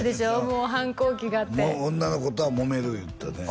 もう反抗期がって女の子とはもめる言うてたね